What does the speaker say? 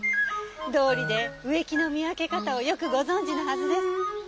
どうりで植木の見分け方をよくご存じのはずです。